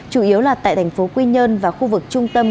chủ yếu là tại thành phố quy nhơn và khu vực trung tâm